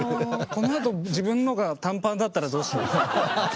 このあと自分のが短パンだったらどうしよう。